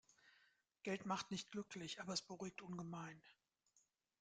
Geld macht nicht glücklich, aber es beruhigt ungemein.